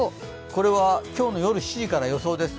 これは今日の夜７時からの予想です。